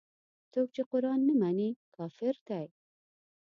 څوک چې قران نه مني کافر دی.